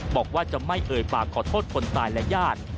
บอกว่าจะไม่เอ่ยปากขอโทษคนตายและญาติ